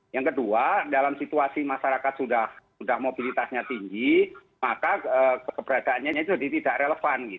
yang kedua dalam situasi masyarakat sudah mobilitasnya tinggi maka keberadaannya jadi tidak relevan